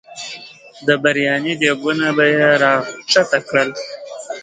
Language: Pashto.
د برياني دیګونه به یې راښکته کړل.